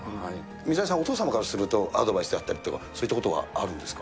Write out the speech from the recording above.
水谷さん、お父様からすると、アドバイスであったりとか、そういったことはあるんですか？